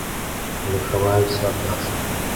Але хаваюцца ад нас.